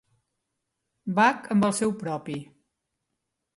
Bach amb el seu propi.